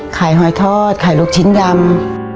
หอยทอดขายลูกชิ้นยำ